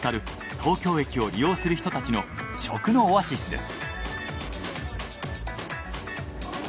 東京駅を利用する人たちの食のオアシスです。